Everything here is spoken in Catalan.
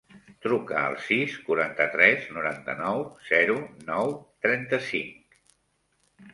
Truca al sis, quaranta-tres, noranta-nou, zero, nou, trenta-cinc.